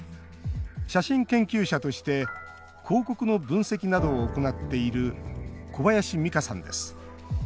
写真研究者として広告の分析などを行っている小林美香さんです。